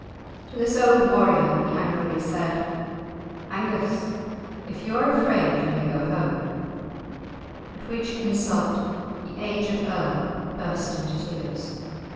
To this old warrior he angrily said, "Angus, if you are afraid, you may go home," at which insult the aged Earl burst into tears.